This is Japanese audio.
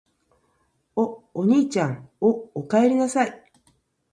お、おにいちゃん・・・お、おかえりなさい・・・